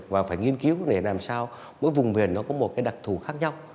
và phải nghiên cứu để làm sao mỗi vùng miền có một đặc thủ khác nhau